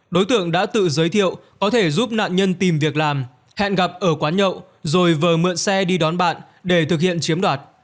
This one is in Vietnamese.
đối tượng đã tự giới thiệu có thể giúp nạn nhân tìm việc làm hẹn gặp ở quán nhậu rồi vờ mượn xe đi đón bạn để thực hiện chiếm đoạt